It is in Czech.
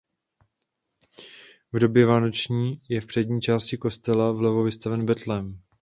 V době vánoční je v přední části kostela vlevo vystaven betlém.